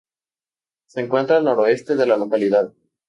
Se encuentra al Noroeste de la localidad.